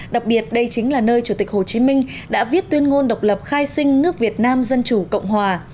đặc biệt đây chính là nơi chủ tịch hồ chí minh đã viết tuyên ngôn độc lập khai sinh nước việt nam dân chủ cộng hòa